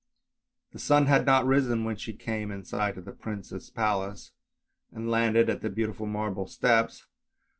The sun had not risen when she came in sight of the prince's palace and landed at the beautiful marble steps.